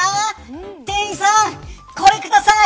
店員さん、これください。